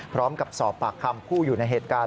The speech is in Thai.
พร้อมกับสอบปากคำผู้อยู่ในเหตุการณ์